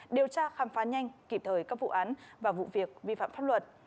điều tra khám phá nhanh kịp thời các vụ án và vụ việc vi phạm pháp luật